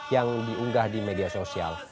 yang diunggah di media sosial